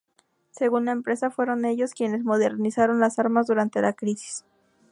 Según la empresa fueron ellos quienes modernizaron las armas durante la crisis.